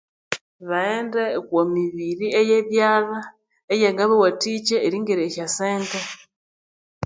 Baghende okwa mibiri eye byalha eyanga bawathikya eringirya esya sente.